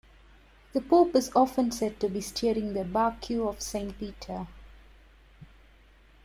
The pope is often said to be steering the Barque of Saint Peter.